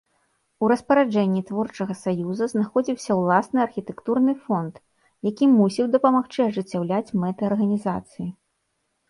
У распараджэнні творчага саюза знаходзіўся ўласны архітэктурны фонд, які мусіў дапамагчы ажыццяўляць мэты арганізацыі.